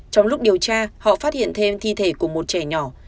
trong lúc điều tra họ phát hiện thêm thi thể của một trẻ nhỏ